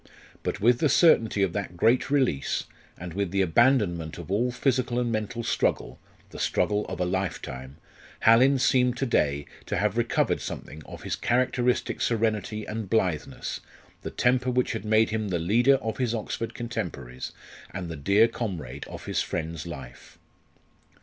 But with the certainty of that great release, and with the abandonment of all physical and mental struggle the struggle of a lifetime Hallin seemed to day to have recovered something of his characteristic serenity and blitheness the temper which had made him the leader of his Oxford contemporaries, and the dear comrade of his friend's life.